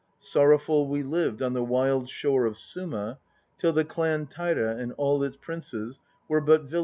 Sorrowful we lived On the wild shore of Suma, Till the clan Taira and all its princes Were but villagers of Suma.